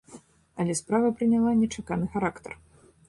Але справа прыняла нечаканы характар.